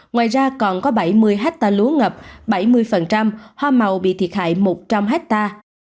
ngoài ra còn có bảy mươi hectare lúa ngập bảy mươi hoa màu bị thiệt hại một trăm linh hectare